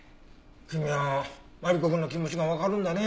君はマリコくんの気持ちがわかるんだね。